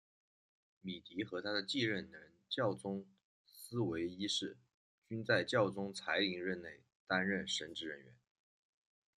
米迪和他的继任人教宗思维一世均在教宗才林任内担任神职人员。